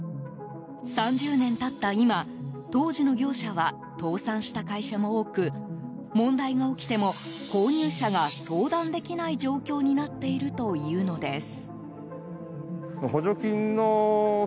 ３０年経った今、当時の業者は倒産した会社も多く問題が起きても購入者が相談できない状況になっているというのです。